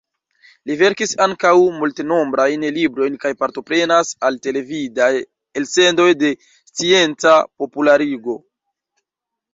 Li verkis ankaŭ multenombrajn librojn kaj partoprenas al televidaj elsendoj de scienca popularigo.